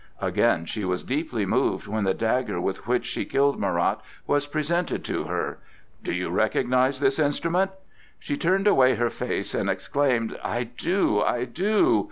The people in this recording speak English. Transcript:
Again she was deeply moved when the dagger with which she killed Marat was presented to her. "Do you recognize this instrument?" She turned away her face and exclaimed: "I do! I do!"